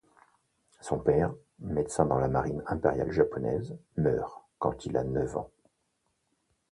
Son père, médecin dans la marine impériale japonaise, meurt quand il a neuf ans.